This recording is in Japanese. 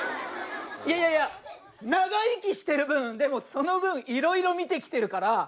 いやいやいや長生きしてる分でもその分いろいろ見てきてるから。